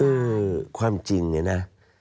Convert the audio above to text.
คือความจริงเนี่ยนะ